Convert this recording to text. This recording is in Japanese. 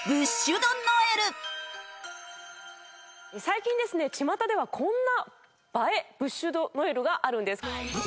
最近ですね巷ではこんな映えブッシュ・ド・ノエルがあるんです。